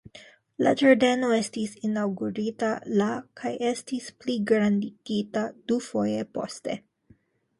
La ĝardeno estis inaŭgurita la kaj estis pligrandigita dufoje poste.